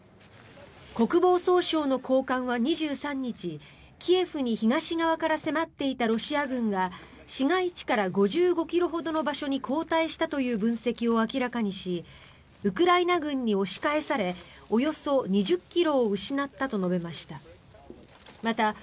国防総省の高官は２３日キエフに東側から迫っていたロシア軍が市街地から５５ｋｍほどの場所に後退したという分析を明らかにしウクライナ軍に押し返されおよそ２０ｋｍを失ったと述べました。